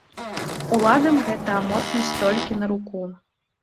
Уладам гэта аморфнасць толькі на руку.